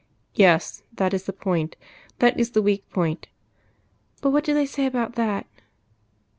"Yes. That is the point that is the weak point." "But what do they say about that?"